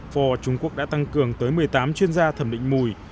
for trung quốc đã tăng cường tới một mươi tám chuyên gia thẩm định mùi